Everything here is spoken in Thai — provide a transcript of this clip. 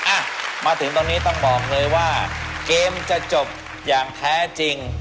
อ่ะมาถึงตอนนี้ต้องบอกเลยว่าเกมจะจบอย่างแท้จริง